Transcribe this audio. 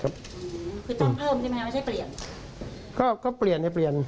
คือต้องเพิ่มใช่ไหมครับไม่ใช่เปลี่ยน